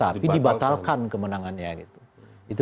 tapi dibatalkan kemenangannya gitu